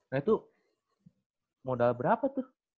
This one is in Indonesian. nah itu modal berapa tuh